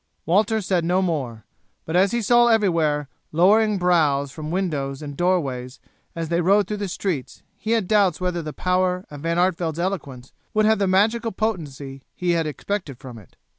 Walter said no more, but as he saw everywhere lowering brows from window and doorway as they rode through the streets he had doubts whether the power of Van Artevelde's eloquence would have the magical potency he had expected from it.